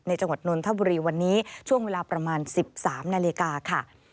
จังหวัดนนทบุรีวันนี้ช่วงเวลาประมาณ๑๓นาฬิกาค่ะ